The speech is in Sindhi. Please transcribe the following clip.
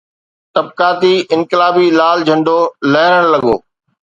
طبقاتي انقلابي لال جھنڊو لھرڻ لڳو